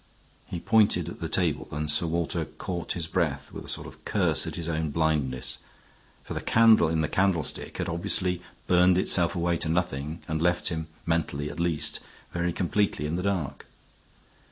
He pointed at the table and Sir Walter caught his breath with a sort of curse at his own blindness. For the candle in the candlestick had obviously burned itself away to nothing and left him, mentally, at least, very completely in the dark.